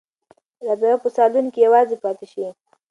رابعه به په صالون کې یوازې پاتې شي.